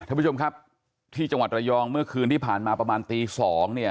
ท่านผู้ชมครับที่จังหวัดระยองเมื่อคืนที่ผ่านมาประมาณตีสองเนี่ย